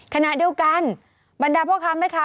คณะเดียวกันบรรดาพวกคำนะคะ